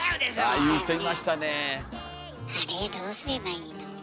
あれどうすればいいの？